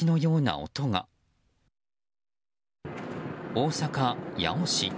大阪・八尾市。